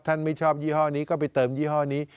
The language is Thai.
ไม่ชอบยี่ห้อนี้ก็ไปเติมยี่ห้อนี้